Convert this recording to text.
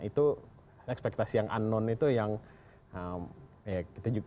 itu ekspektasi yang unknown itu yang kita juga